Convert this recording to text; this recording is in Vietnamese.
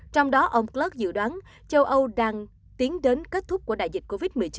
trong đó ông plus dự đoán châu âu đang tiến đến kết thúc của đại dịch covid một mươi chín